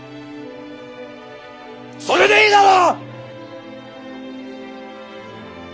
それでいいだろ！